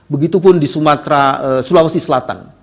begitupun di sumatera sulawesi selatan